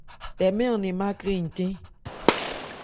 Tɛmɛ̂ an nɛ̂n má krɛn ncɛ́n.